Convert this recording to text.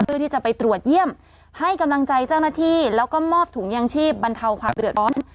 เพื่อที่จะไปตรวจเยี่ยมให้กำลังใจเจ้าหน้าที่แล้วก็มอบถุงยางชีพบรรเทาความเดือดร้อน